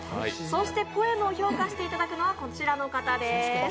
ポエムを評価していただくのはこちらの方です。